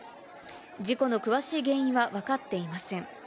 事故の詳しい原因は分かっていません。